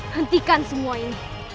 hentikan semua ini